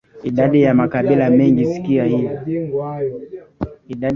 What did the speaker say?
Idadi ya makabila mengi Sikia hii